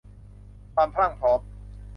ความพรั่งพร้อม